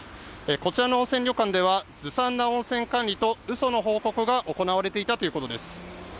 こちらの温泉旅館ではずさんな温泉管理とうその報告が行われていたということです。